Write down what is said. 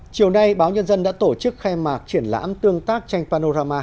chiều nay báo nhân dân đã tổ chức khai mạc triển lãm tương tác tranh panorama